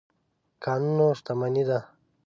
کانونه شتمني ده.